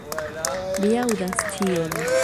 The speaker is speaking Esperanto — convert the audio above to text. Mi aŭdas ĉion.